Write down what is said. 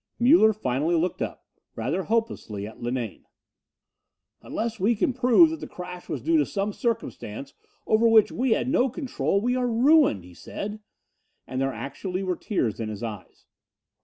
Muller finally looked up, rather hopelessly, at Linane. "Unless we can prove that the crash was due to some circumstance over which we had no control, we are ruined," he said, and there actually were tears in his eyes.